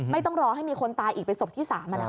ต้องรอให้มีคนตายอีกเป็นศพที่๓